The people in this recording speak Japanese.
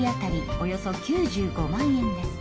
およそ９５万円です。